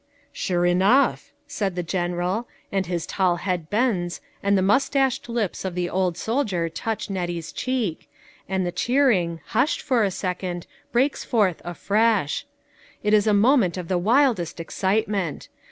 "" Sure enough !" said the General, and his tall head bends and the mustached lips of the old soldier touch Nettie's cheek, and the cheering, hushed for a second, breaks forth afresh ! It is a moment of the wildest excitement.